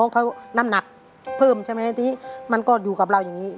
เขาน้ำหนักเพิ่มใช่ไหมทีนี้มันก็อยู่กับเราอย่างนี้